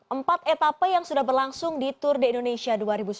empat etape yang sudah berlangsung di tour de indonesia dua ribu sembilan belas